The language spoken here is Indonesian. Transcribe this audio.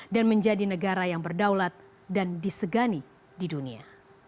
dan menjadi negara yang berdaulat dan disegani di dunia